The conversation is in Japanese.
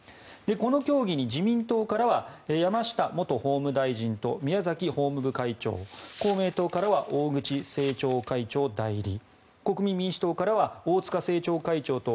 この協議に自民党からは山下元法務大臣と宮崎法務部会長公明党からは大口政調会長代理国民民主党からは大塚政調会長と